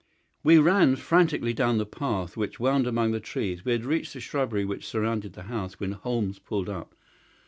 We ran frantically down the path, which wound among the trees. We had reached the shrubbery which surrounded the house when Holmes pulled up.